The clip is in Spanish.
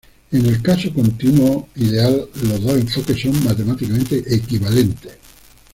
En el caso continuo ideal, los dos enfoques son matemáticamente equivalentes.